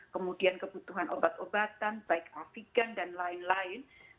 kemudian kebutuhan obat obatan baik afigan dan lain lain